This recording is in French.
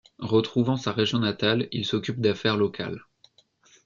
Retrouvant sa région natale, il s'occupe d'affaires locales.